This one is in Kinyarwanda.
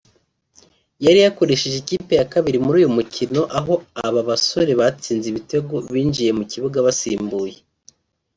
yari yakoresheje ikipe ya kabiri muri uyu mukino aho aba basore batsinze ibitego binjiye mu kibuga basimbuye